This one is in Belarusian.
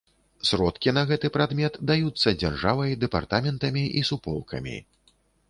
Сродкі на гэты прадмет даюцца дзяржавай, дэпартаментамі і суполкамі.